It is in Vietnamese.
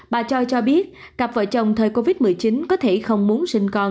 bà choi cho biết cặp vợ chồng thời covid một mươi chín có thể không muốn sinh con